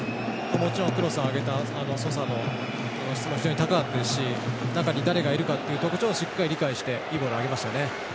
もちろんクロスを上げたソサの質も非常に高かったですし中に誰がいたかという特徴をしっかり理解していいボールを上げましたね。